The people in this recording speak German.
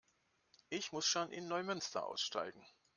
Ich muss schon in Neumünster aussteigen